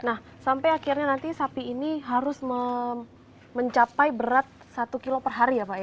nah sampai akhirnya nanti sapi ini harus mencapai berat satu kilo per hari ya pak ya